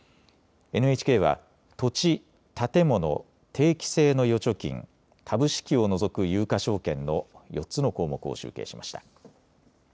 ＮＨＫは土地、建物、定期性の預貯金、株式を除く有価証券の４つの項目を集計しました。